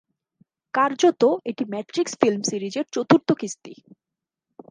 কার্যত এটি matrix film সিরিজের চতুর্থ কিস্তি।